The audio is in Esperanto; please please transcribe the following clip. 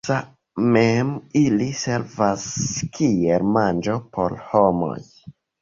Mem ili servas kiel manĝo por homoj.